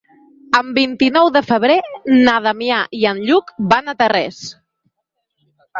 El vint-i-nou de febrer na Damià i en Lluc van a Tarrés.